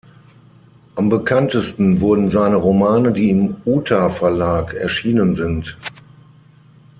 Am bekanntesten wurden seine Romane, die im Uta-Verlag erschienen sind.